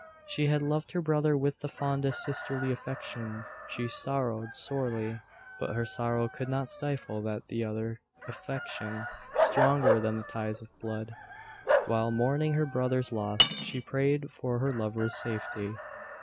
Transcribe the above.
She had loved her brother with the fondest sisterly affection. She sorrowed sorely; but her sorrow could not stifle that other affection, stronger than the ties of blood. While mourning her brother's loss she prayed for her lover's safety.